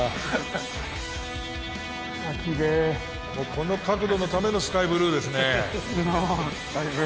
この角度のためのスカイブルーですね。